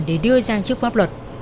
để đưa ra trước quốc hợp luật